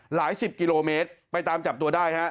หลายสิบกิโลเมตรไปตามจับตัวได้ฮะ